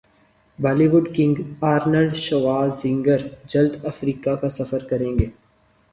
Bali would king Arnold Schwarzenegger جلد افریقہ کاسفر کریں گے